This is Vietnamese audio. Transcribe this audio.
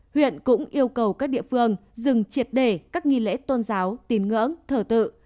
huyện cũng yêu cầu các địa phương dừng triệt để các nghi lễ tôn giáo tín ngưỡng thờ tự